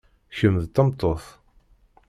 Kemm d tameṭṭut.